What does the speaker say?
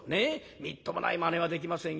みっともないまねはできませんよ。